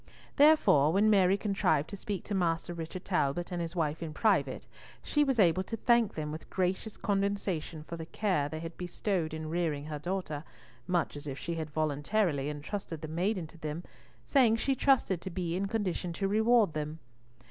Therefore, when Mary contrived to speak to Master Richard Talbot and his wife in private, she was able to thank them with gracious condescension for the care they had bestowed in rearing her daughter, much as if she had voluntarily entrusted the maiden to them, saying she trusted to be in condition to reward them.